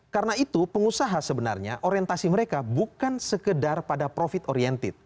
karena itu pengusaha sebenarnya orientasi mereka bukan sekedar pada profit oriented